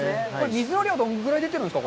水の量はどのぐらい出ているんですか。